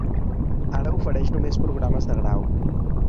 Ara ofereix només programes de grau.